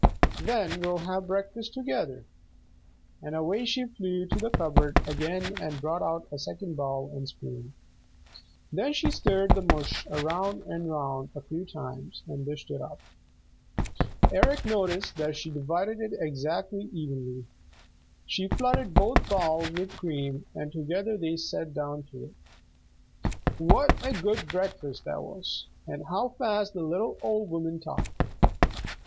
Then we'll breakfast together," and away she flew to the cupboard again and brought out a second bowl and spoon. Then she stirred the mush round and round a few times and dished it up. Eric noticed that she divided it exactly evenly. She flooded both bowls with cream, and together they sat down to it. What a good breakfast that was, and how fast the little old woman talked!